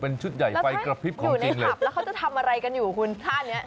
เป็นชุดใหญ่ไฟกระพริบของจริงเลยอยู่ในพับแล้วเขาจะทำอะไรกันอยู่คุณท่านเนี่ย